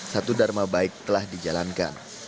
satu dharma baik telah dijalankan